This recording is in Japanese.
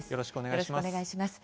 よろしくお願いします。